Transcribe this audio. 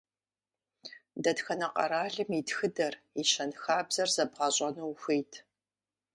Дэтхэнэ къэралым и тхыдэр и щэнхабзэр зэбгъэщӏэну ухуейт?